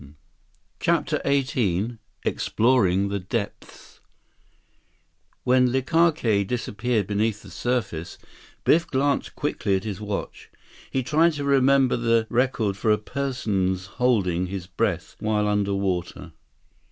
141 CHAPTER XVIII Exploring the Depths When Likake disappeared beneath the surface, Biff glanced quickly at his watch. He tried to remember the record for a person's holding his breath while under water.